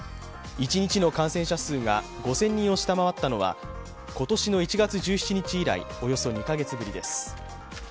一日の感染者数が５０００人を下回ったのは今年の１月１７日以来およそ２カ月ぶりです。